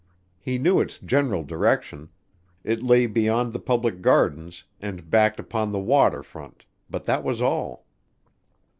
He knew its general direction it lay beyond the Public Gardens and backed upon the water front, but that was all.